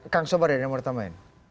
kang sobari yang pertama